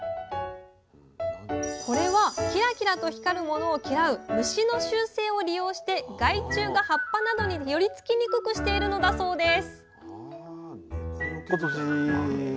これはキラキラと光る物を嫌う虫の習性を利用して害虫が葉っぱなどに寄りつきにくくしているのだそうです